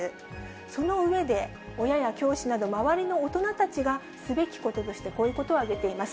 その上で、親や教師など、周りの大人たちがすべきこととしてこういうことを挙げています。